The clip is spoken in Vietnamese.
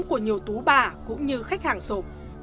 của nhiều tú bà cũng như khách hàng sổ